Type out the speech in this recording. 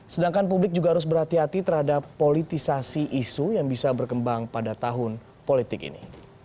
sedangkan publik juga harus berhati hati terhadap politisasi isu yang bisa berkembang pada tahun politik ini